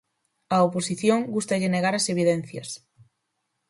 Á oposición gústalle negar as evidencias.